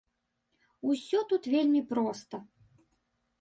Усё тут вельмі проста.